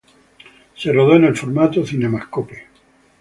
Se rodó en el formato CinemaScope.